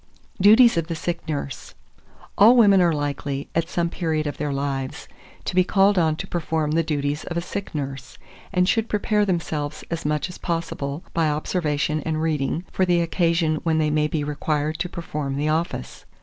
DUTIES OF THE SICK NURSE. 2416. All women are likely, at some period of their lives, to be called on to perform the duties of a sick nurse, and should prepare themselves as much as possible, by observation and reading, for the occasion when they may be required to perform the office.